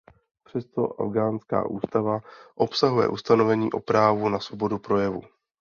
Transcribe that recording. Přesto afghánská ústava obsahuje ustanovení o právu na svobodu projevu.